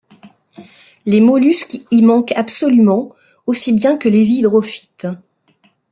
Les mollusques y manquent absolument, aussi bien que les hydrophytes.